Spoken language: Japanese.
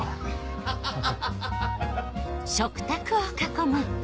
ハハハハ！